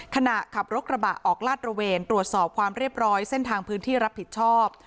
ขับรถกระบะออกลาดระเวนตรวจสอบความเรียบร้อยเส้นทางพื้นที่รับผิดชอบ